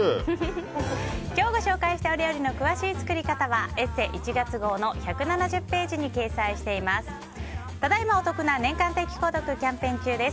今日ご紹介したお料理の詳しい作り方は「ＥＳＳＥ」１月号の１７０ページに掲載しています。